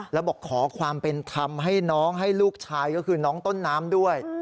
แล้วบอกขอความเป็นธรรมให้น้องให้ลูกชายก็คือน้องต้นน้ำด้วย